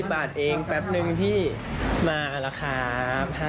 ๕๐บาทเองแป๊บนึงที่มาละครับ